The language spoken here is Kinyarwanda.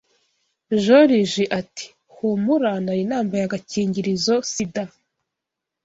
Joriji ati "humura nari nambaye agakingirizo SIDA